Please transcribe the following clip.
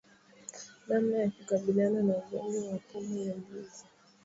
Namna ya kukabiliana na ugonjwa wa pumu ya mbuzi